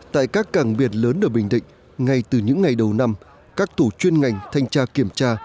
tại các càng biển lớn ở bình định ngay từ những ngày đầu năm các tổ chuyên ngành thanh tra kiểm tra